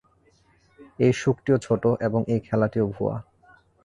এই সুখটিও ছোট, এবং এই খেলাটিও ভুয়া।